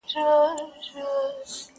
دهقان ولاړی په زاریو د مار کور ته!.